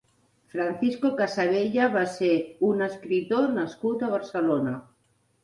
Francisco Casavella va ser un escriptor nascut a Barcelona.